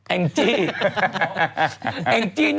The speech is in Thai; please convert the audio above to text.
แอ้งจี้นั่งเขียนเอง